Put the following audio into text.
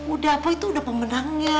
udah bu itu udah pemenangnya